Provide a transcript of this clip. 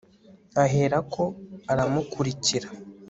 Aherako aramukurikira